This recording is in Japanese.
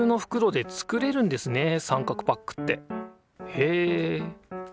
へえ。